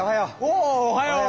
おはよう。